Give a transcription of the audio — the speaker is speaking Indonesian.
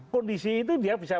kondisi itu dia bisa